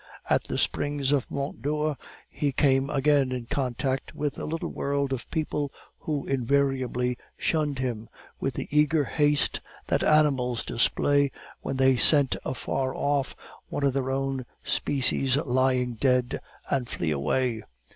At the springs of Mont Dore he came again in contact with a little world of people, who invariably shunned him with the eager haste that animals display when they scent afar off one of their own species lying dead, and flee away.